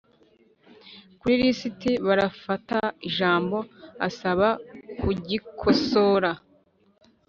kuri lisiti batarafata ijambo asaba kugikosora